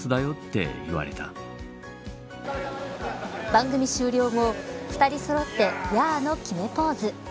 番組終了後２人そろってヤー！の決めポーズ。